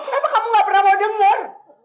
kenapa kamu gak pernah mau dengar